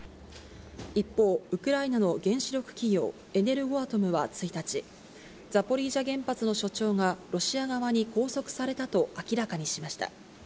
一方、ウクライナの原子力企業、エネルゴアトムは１日、ザポリージャ原発の所長がロシア側に拘束されたと明らかにしました。